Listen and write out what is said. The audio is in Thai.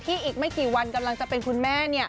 อีกไม่กี่วันกำลังจะเป็นคุณแม่